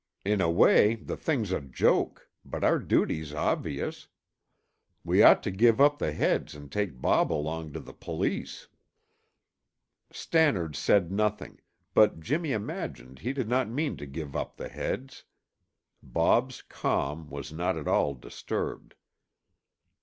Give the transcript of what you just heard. In a way, the thing's a joke, but our duty's obvious. We ought to give up the heads and take Bob along to the police." Stannard said nothing, but Jimmy imagined he did not mean to give up the heads. Bob's calm was not at all disturbed.